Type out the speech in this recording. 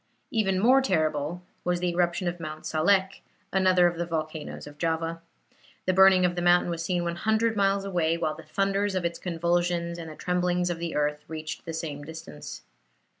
Even more terrible was the eruption of Mount Salek, another of the volcanoes of Java. The burning of the mountain was seen 100 miles away, while the thunders of its convulsions and the tremblings of the earth reached the same distance.